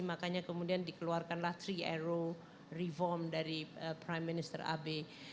makanya kemudian dikeluarkanlah three arrow reform dari prime minister abe